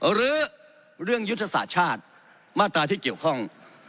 หรือเรื่องยุทธศาสตร์ชาติมาตราที่เกี่ยวข้อง